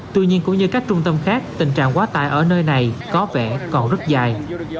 tuy nhiên cũng như các trung tâm khác tình trạng quá tải ở nơi này có vẻ còn rất dài